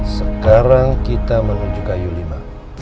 sekarang kita menuju kayu lima